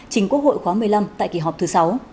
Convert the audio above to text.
chính quốc hội khóa một mươi năm tại kỳ họp thứ sáu